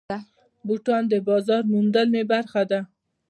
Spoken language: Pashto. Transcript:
بوټونه د بازار موندنې برخه ده.